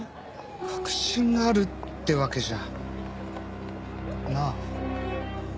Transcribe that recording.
確信があるってわけじゃ。なあ？